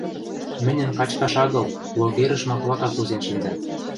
Мӹньӹн качкаш агыл, логерӹш маклака кузен шӹнзӹн.